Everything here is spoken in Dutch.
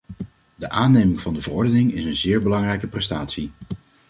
De aanneming van de verordening is een zeer belangrijke prestatie.